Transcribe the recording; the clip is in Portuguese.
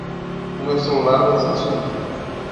O meu celular é da Samsung.